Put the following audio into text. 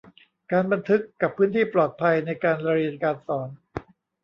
การบันทึกกับพื้นที่ปลอดภัยในการเรียนการสอน